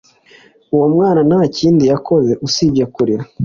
uwo mwana nta kindi yakoze usibye kurira